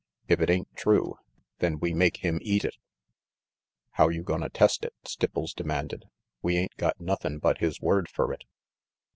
If it ain't true, then we make him eat it." "How you gonna test it?" Stipples demanded. "We ain't got nothin' but his word fer it."